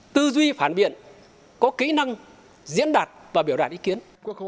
tư duy phản biện có kỹ năng diễn đạt và biểu đạt ý kiến